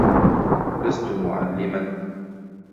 لست معلماً.